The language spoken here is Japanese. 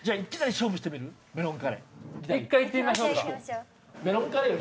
１回いってみましょうか。